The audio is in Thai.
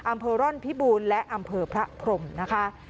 อำเภอร่อนพิบูรณ์และอำเภอพระพรมนะคะ